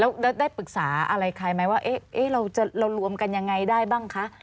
แล้วได้ปรึกษาอะไรใครไหมว่าเรารวมกันยังไงได้บ้างคะ